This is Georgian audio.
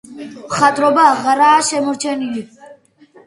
მხატვრობა აღარაა შემორჩენილი.